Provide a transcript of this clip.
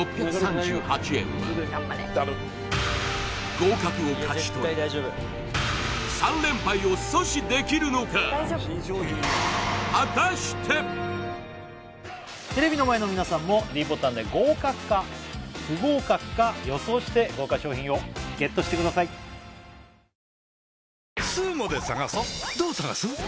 合格を勝ち取り３連敗を阻止できるのかテレビの前の皆さんもｄボタンで合格か不合格か予想して豪華賞品をＧＥＴしてくださいねえねえ